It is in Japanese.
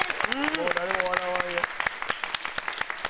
もう誰も笑わんよ。